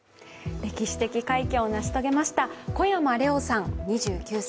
歴史的快挙を成し遂げました小山怜央さん、２９歳。